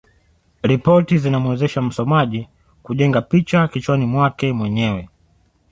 Ripoti zinamwezesha msomaji kujenga picha kichwani mwake mwenyewe